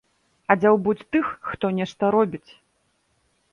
А дзяўбуць тых, хто нешта робіць.